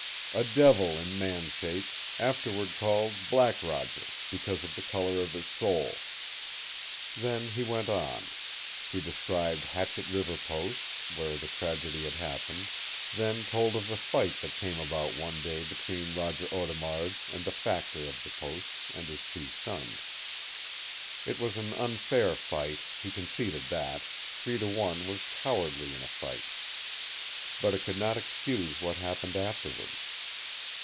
"A devil in man shape, afterward called 'Black Roger' because of the color of his soul." Then he went on. He described Hatchet River Post, where the tragedy had happened; then told of the fight that came about one day between Roger Audemard and the factor of the post and his two sons. It was an unfair fight; he conceded that three to one was cowardly in a fight. But it could not excuse what happened afterward.